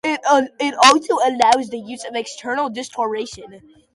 It also allows the use of external distortion.